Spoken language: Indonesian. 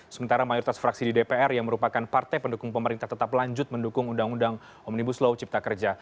sementara mayoritas fraksi di dpr yang merupakan partai pendukung pemerintah tetap lanjut mendukung undang undang omnibus law cipta kerja